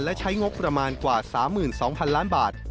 และใช้งบประมาณกว่า๓๒๐๐๐ล้านบาท